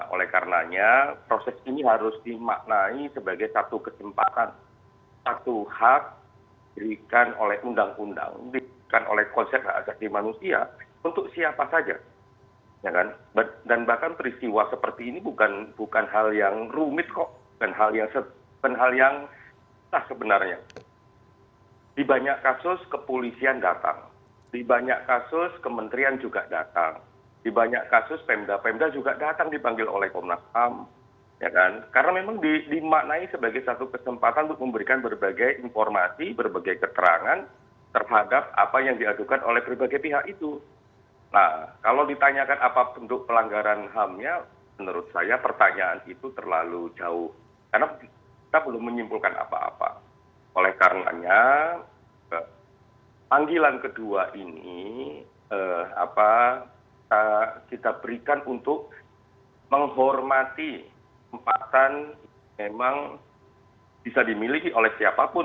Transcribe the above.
oleh karenanya panggilan kedua ini kita berikan untuk menghormati tempatan yang memang bisa dimiliki oleh siapapun